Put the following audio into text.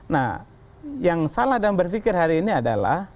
nah yang salah dalam berpikir hari ini adalah